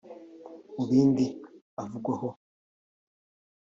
Mu bindi avugwaho